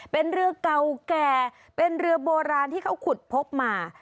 เป็นเรือเก่าแก่เป็นเรือโบราณที่เขาขุดพบมา